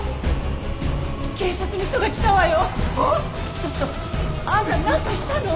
ちょっと！あんたなんかしたの？